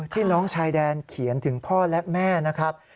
น้องชายแดนเขียนถึงพ่อและแม่นะครับ